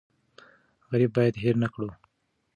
غریب باید هېر نکړو.